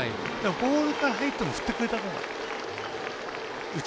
ボールから入っても振ってくれたほうがいい。